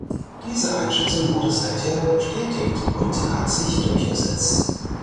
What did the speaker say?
Diese Einschätzung wurde seither bestätigt und hat sich durchgesetzt.